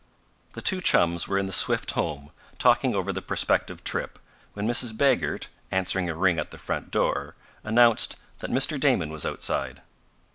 The two chums were in the Swift home, talking over the prospective trip, when Mrs. Baggert, answering a ring at the front door, announced that Mr. Damon was outside.